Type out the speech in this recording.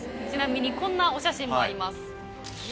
ちなみにこんなお写真もあります。